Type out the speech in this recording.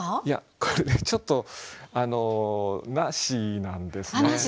いやこれねちょっとなしなんですね。